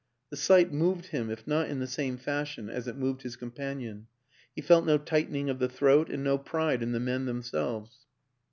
The sight moved him, if not in the same fashion as it moved his companion; he felt no tightening of the throat and no pride in the men themselves.